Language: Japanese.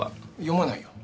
読まないよ。